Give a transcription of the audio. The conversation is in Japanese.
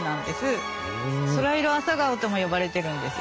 ソライロアサガオとも呼ばれてるんですよ。